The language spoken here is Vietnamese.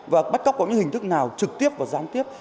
và bắt cóc có những hình thức nào trực tiếp và gián tiếp